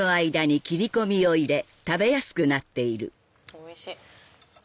おいしい！